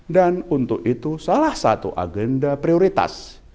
dan untuk itu salah satu agenda prioritas